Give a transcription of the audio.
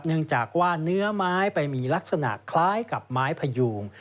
เนื่องจากว่าเนื้อไม้ไปมีลักษณะคล้ายกับไม้พยูง